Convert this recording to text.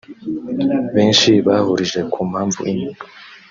Benshi bahurije ku mpamvu imwe